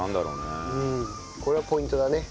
これはポイントだね。